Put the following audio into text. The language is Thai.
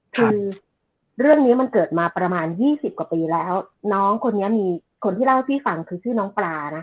คือเรื่องนี้มันเกิดมาประมาณ๒๐กว่าปีแล้วน้องคนนี้มีคนที่เล่าให้พี่ฟังคือชื่อน้องปลานะคะ